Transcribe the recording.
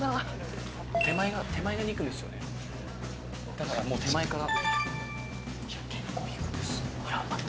「だからもう手前から」